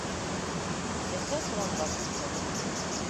Әсә соланға сыҡты.